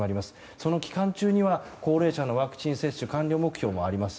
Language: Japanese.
その期間中には高齢者のワクチン接種完了目標もあります。